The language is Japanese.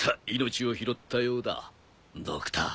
ドクター。